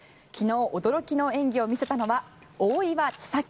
昨日驚きの演技を見せたのは大岩千未来。